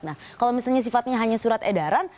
nah kalau misalnya sifatnya hanya surat edaran